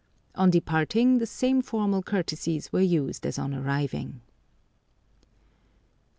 On departing the same formal courtesies were used as on arriving.